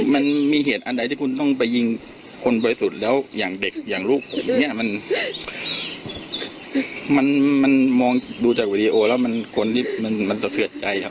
มันมีเหตุอันใดที่คุณต้องไปยิงคนบริสุทธิ์แล้วอย่างเด็กอย่างลูกเนี่ยมันมองดูจากวีดีโอแล้วมันคนที่มันสะเทือนใจครับ